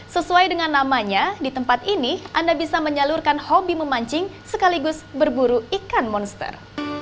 sesuai dengan namanya di tempat ini anda bisa menyalurkan hobi memancing sekaligus berburu ikan monster